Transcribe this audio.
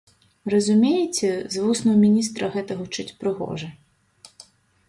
Разумееце, з вуснаў міністра гэта гучыць прыгожа.